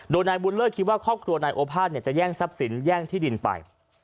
โดยนายบุญเลิศคิดว่าครอบครัวนายโอภาษจะแย่งทรัพย์สินแย่งที่ดินไป